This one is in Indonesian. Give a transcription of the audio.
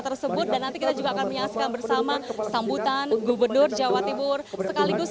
tersebut dan nanti kita juga akan menyaksikan bersama sambutan gubernur jawa timur sekaligus